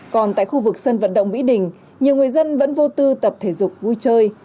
còn tại khu vực sân vận động mỹ đình nhiều người dân vẫn vô tư tập thể dục vui chơi